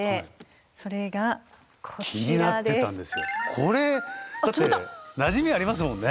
これだってなじみありますもんね。